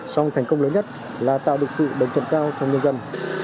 song thành công lớn nhất là tạo được sự đồng thuận cao trong nhân dân